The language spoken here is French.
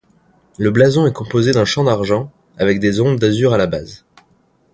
Le blason est composé d'un champ d'argent, avec des ondes d'azur à la base.